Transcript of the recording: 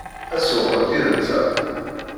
Ad sewwqent yid-nteɣ?